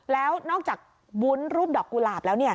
แล้วนอกจากวุ้นรูปดอกกุหลาบแล้ว